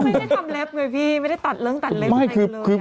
ไม่ได้ทำเล็บไงพี่ไม่ได้ตัดเริ่มตัดเล็บอะไรอยู่เลย